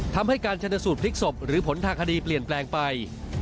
ทำให้การชนสูตรพลิกศพหรือผลทางคดีเปลี่ยนแปลงไป